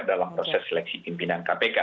dalam proses seleksi pimpinan kpk